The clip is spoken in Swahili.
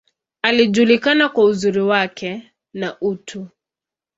Alijulikana kwa uzuri wake, na utu.